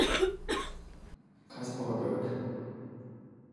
A nutty kind of a book.